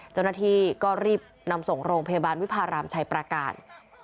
เจ้าหน้าที่ก็รีบนำส่งโรงพยาบาลวิพารามชัยประการ